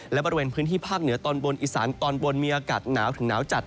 และบริเวณพื้นที่ภาคเหนือตอนบนอีสานตอนบนมีอากาศหนาวถึงหนาวจัด